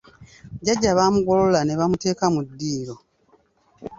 Jjajja baamugolola ne bamuteeka mu ddiiro.